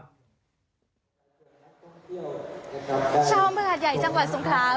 ชาวอำเภอหาดใหญ่จังหวัดสงคร้า